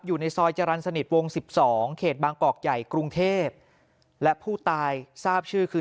อยู่ในซอยจรรย์สนิทวง๑๒เขตบางกอกใหญ่กรุงเทพและผู้ตายทราบชื่อคือ